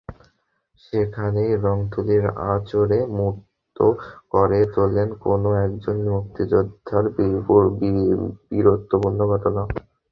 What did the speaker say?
সেখানেই রং-তুলির আঁচড়ে মূর্ত করে তোলেন কোনো একজন মুক্তিযোদ্ধার বীরত্বপূর্ণ ঘটনা।